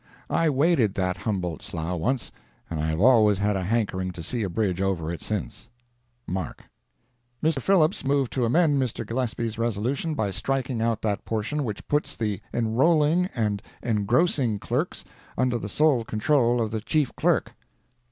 I waded that Humboldt Slough once, and I have always had a hankering to see a bridge over it since.—MARK.] Mr. Phillips moved to amend Mr. Gillespie's resolution by striking out that portion which puts the Enrolling and Engrossing Clerks under the sole control of the Chief Clerk.